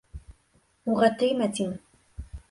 Уға теймә, тим.